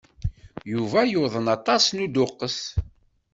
Yuba yuḍen aṭṭan n uduqqes.